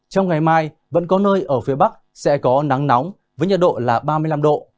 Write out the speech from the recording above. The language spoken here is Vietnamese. trong ngày mai vẫn có nơi ở phía bắc sẽ có nắng nóng với nhiệt độ là ba mươi năm độ